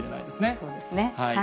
そうですね。